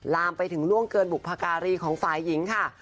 ลามไปถึงล่วงเกินบุพการีของฝ่ายหญิงค่ะ